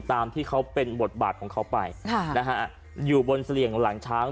ตามที่เขาเป็นบทบาทของเขาไปค่ะนะฮะอยู่บนเสลี่ยงหลังช้าง